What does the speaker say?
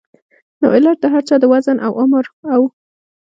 نو علاج د هر چا د وزن ، عمر او